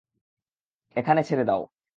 এখানে ছেড়ে দাও।